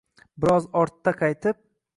Bir oz ortta qaytib…